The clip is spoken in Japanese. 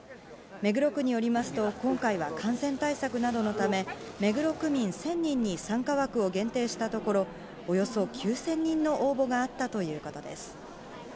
目黒区によりますと、今回は感染対策などのため、目黒区民１０００人に参加枠を限定したところ、およそ９０００人の応募があったということです。